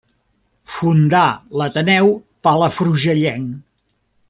Fundà l'Ateneu Palafrugellenc.